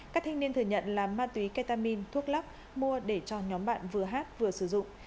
các thanh niên thừa nhận là ma túy ketamin thuốc lắc mua để cho nhóm bạn vừa hát vừa sử dụng